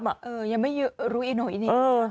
ยังไม่รู้อีกหน่อย